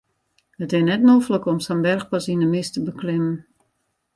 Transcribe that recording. It is net noflik om sa'n berchpas yn de mist te beklimmen.